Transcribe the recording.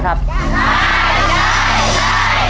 ได้